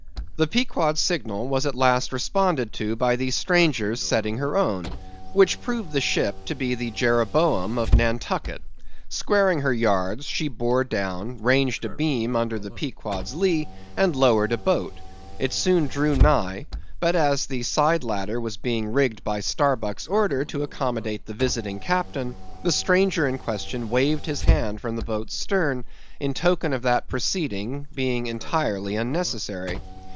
The Pequod's signal was at last responded to by the stranger's setting her own; which proved the ship to be the Jeroboam of Nantucket. Squaring her yards, she bore down, ranged abeam under the Pequod's lee, and lowered a boat; it soon drew nigh; but, as the side ladder was being rigged by Starbuck's order to accommodate the visiting captain, the stranger in question waved his hand from his boat's stern in token of that proceeding being entirely unnecessary.